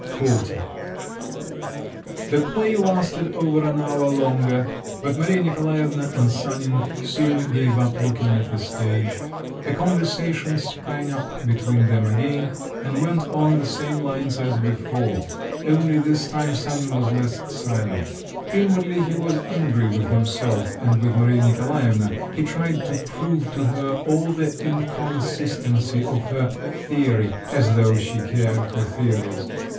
XL The play lasted over an hour longer, but Maria Nikolaevna and Sanin soon gave up looking at the stage. A conversation sprang up between them again, and went on the same lines as before; only this time Sanin was less silent. Inwardly he was angry with himself and with Maria Nikolaevna; he tried to prove to her all the inconsistency of her "theory," as though she cared for theories!